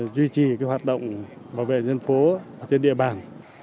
duy trì hoạt động bảo vệ dân phố trên địa bàn